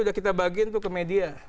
udah kita bagiin tuh ke media